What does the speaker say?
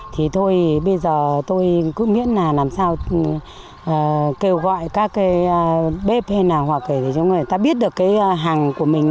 thì thôi bây giờ tôi cứ miễn là làm sao kêu gọi các bếp hay nào hoặc người ta biết được cái hàng của mình